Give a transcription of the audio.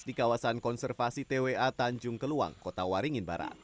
di kawasan konservasi twa tanjung keluang kota waringin barat